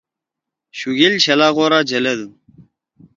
شُگیل شلا غورا جلَدُو۔